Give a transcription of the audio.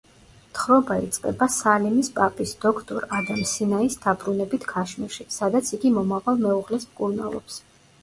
თხრობა იწყება სალიმის პაპის, დოქტორ ადამ სინაის დაბრუნებით ქაშმირში, სადაც იგი მომავალ მეუღლეს მკურნალობს.